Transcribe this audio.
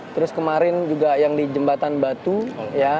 terus kemarin juga yang di jembatan batu ya